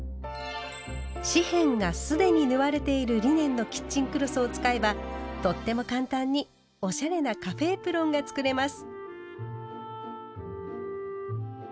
四辺が既に縫われているリネンのキッチンクロスを使えばとっても簡単におしゃれな「カフェエプロン」が作れます。